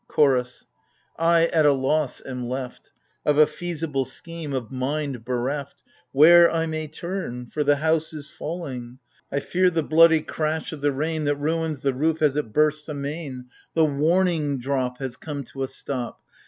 CHORDS, I at a loss am left — Of a feasible scheme of mind bereft — Where I may turn : for the house is falling : 33 134 AGAMEMNON. I fear the bloody crash of the rain That ruins the roof as it bursts amain : The warning drop Has come to a stop.